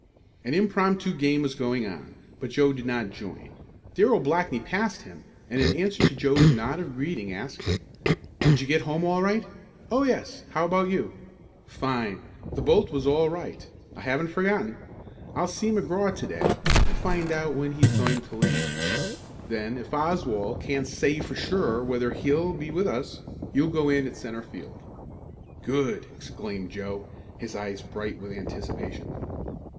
An impromptu game was going on, but Joe did not join. Darrell Blackney passed him, and in answer to Joe's nod of greeting asked: "Did you get home all right?" "Oh, yes. How about you?" "Fine. The bolt was all right. I haven't forgotten. I'll see McGraw to day and find out when he's going to leave. Then if Oswald can't say for sure whether he'll be with us, you'll go in at centre field." "Good!" exclaimed Joe, his eyes bright with anticipation.